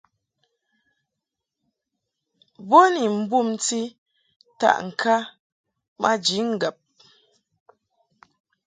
Bo ni mbumti taʼŋka maji ŋgab.